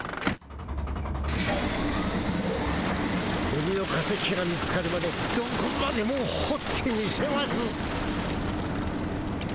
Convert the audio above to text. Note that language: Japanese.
オニの化石が見つかるまでどこまでもほってみせます。